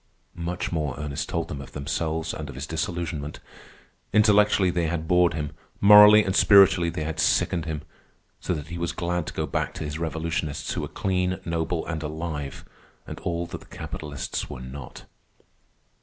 Much more Ernest told them of themselves and of his disillusionment. Intellectually they had bored him; morally and spiritually they had sickened him; so that he was glad to go back to his revolutionists, who were clean, noble, and alive, and all that the capitalists were not.